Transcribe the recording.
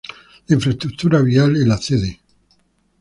La infraestructura vial en la Cd.